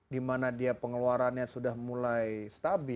dimana dia pengeluarannya sudah mulai stabil